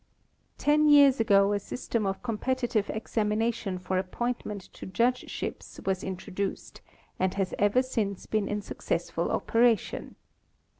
Ten years ago a system of competitive examination for appoint ment to judgeships was introduced, and has ever since been in successful operation.